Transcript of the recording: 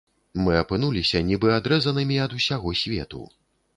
Мы апынуліся нібы адрэзанымі ад усяго свету.